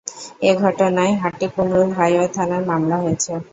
এ ঘটনায় হাটিকুমরুল হাইওয়ে থানায় মামলা হয়েছে।